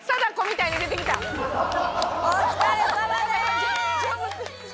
お疲れさまでーす！